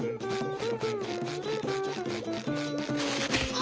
あ！